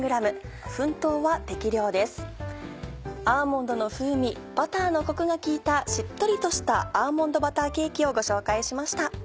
アーモンドの風味バターのコクが効いたしっとりとした「アーモンドバターケーキ」をご紹介しました。